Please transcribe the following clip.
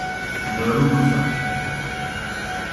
دارو موسه.